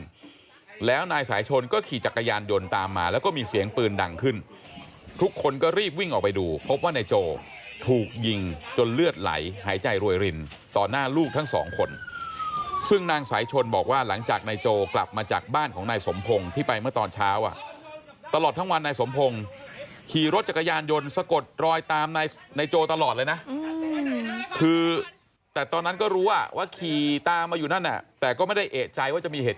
ที่บ้านแล้วนายสายชนก็ขี่จักรยานยนต์ตามมาแล้วก็มีเสียงปืนดังขึ้นทุกคนก็รีบวิ่งออกไปดูพบว่านายโจถูกยิงจนเลือดไหลหายใจรวยรินต่อหน้าลูกทั้งสองคนซึ่งนางสายชนบอกว่าหลังจากนายโจกลับมาจากบ้านของนายสมพงศ์ที่ไปเมื่อตอนเช้าตลอดทั้งวันนายสมพงศ์ขี่รถจักรยานยนต์สะกดรอยตามนายโจตลอ